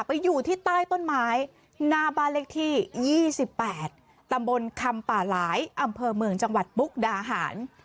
อยู่ที่ใต้ต้นไม้หน้าบ้านเลขที่๒๘ตำบลคำป่าหลายอำเภอเมืองจังหวัดมุกดาหาร